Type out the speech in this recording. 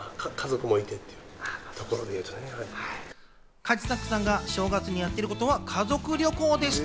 カジサックさんが正月にやっていることは家族旅行でした。